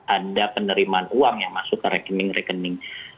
ada penerimaan uang yang masuk ke rekening rekening